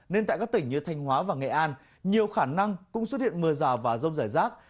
nên tại các tỉnh như thanh hóa và nghệ an nhiều khả năng cũng xuất hiện mưa rào và rông rải rác